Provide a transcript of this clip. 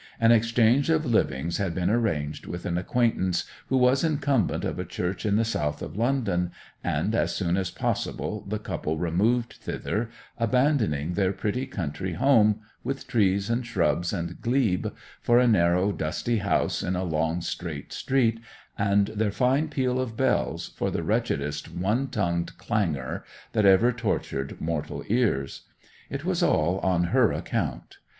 An exchange of livings had been arranged with an acquaintance who was incumbent of a church in the south of London, and as soon as possible the couple removed thither, abandoning their pretty country home, with trees and shrubs and glebe, for a narrow, dusty house in a long, straight street, and their fine peal of bells for the wretchedest one tongued clangour that ever tortured mortal ears. It was all on her account.